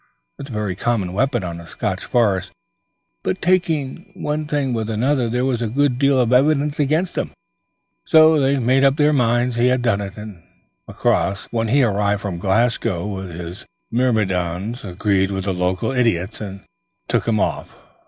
It's a very common weapon on a Scotch forest. But taking one thing with another there was a good deal of evidence against him, so they made up their minds he had done it; and Macross, when he arrived from Glasgow with his myrmidons, agreed with the local idiots, and took him off.